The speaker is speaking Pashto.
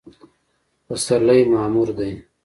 پسرلی معمور دی